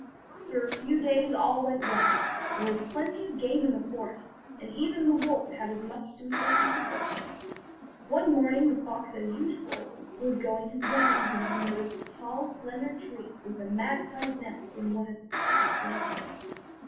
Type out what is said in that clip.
For a few days all went well; there was plenty of game in the forest, and even the wolf had as much to eat as he could wish. One morning the fox as usual was going his rounds when he noticed a tall, slender tree, with a magpie's nest in one of the top branches.